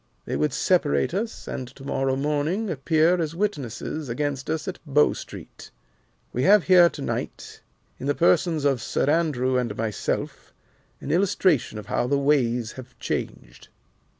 They would separate us, and to morrow morning appear as witnesses against us at Bow Street. We have here to night, in the persons of Sir Andrew and myself, an illustration of how the ways have changed."